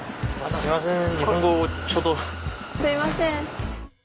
すいません。